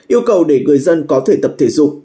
yêu cầu để người dân có thể tập thể dục